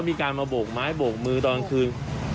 มีการมาโบกไม้โบกมือตอนคืน